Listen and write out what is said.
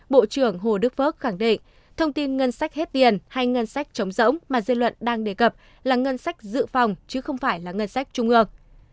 bộ trưởng hồ đức phước khẳng định thông tin ngân sách hết tiền hay ngân sách chống rỗng mà dư luận đang đề cập là ngân sách dự phòng chứ không phải là ngân sách trung ương